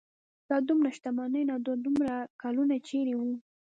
دا دومره شتمني نو دا دومره کلونه چېرې وه.